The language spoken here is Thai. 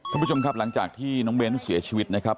ท่านผู้ชมครับหลังจากที่น้องเบ้นเสียชีวิตนะครับ